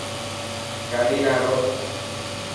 گاڏي نا روڪ.